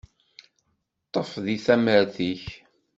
Ṭṭef di tamart-ik!